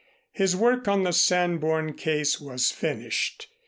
His work on the Sanborn case was finished.